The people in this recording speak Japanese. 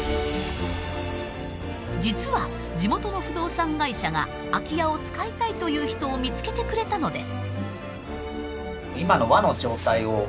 実は地元の不動産会社が空き家を使いたいという人を見つけてくれたのです。